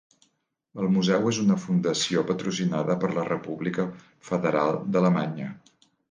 El museu és una fundació patrocinada per la República Federal d'Alemanya.